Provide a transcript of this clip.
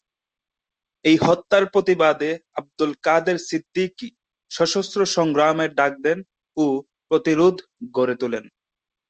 এই হত্যার প্রতিবাদে আব্দুল কাদের সিদ্দিকী সশস্ত্র সংগ্রামের ডাক দেন ও প্রতিরোধ গড়ে তুলেন।